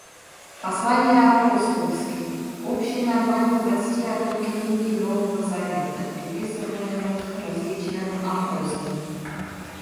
Послания апостольские — общее название двадцати одной книги Нового Завета, приписываемых различным апостолам.